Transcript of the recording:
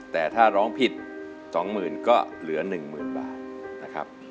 แต่ถ้าร้องผิด๒หมื่นก็เหลือ๑หมื่นบาทนะครับ